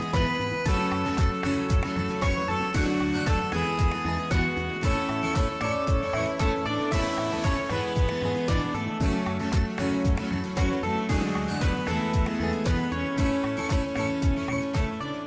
โปรดติดตามตอนต่อไป